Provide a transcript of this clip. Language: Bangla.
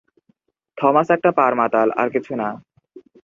থমাস একটা পাড় মাতাল, আর কিছু না।